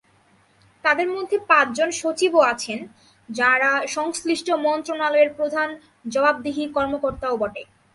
তাঁদের মধ্যে পাঁচজন সচিবও আছেন, যাঁরা সংশ্লিষ্ট মন্ত্রণালয়ের প্রধান জবাবদিহি কর্মকর্তাও বটে।